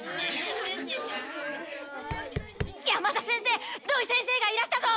山田先生土井先生がいらしたぞ！